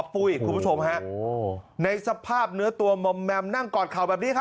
ปุ้ยคุณผู้ชมในสภาพเนื้อตัวนั่งกอดเข่าแบบนี้